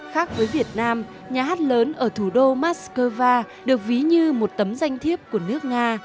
khác với việt nam nhà hát lớn ở thủ đô moscow được ví như một tấm danh thiếp của nước nga